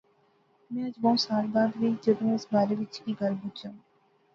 میں اج بہوں سال بعد وی جدوں اس بارے وچ کی گل بجاں